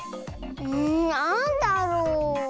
んなんだろう？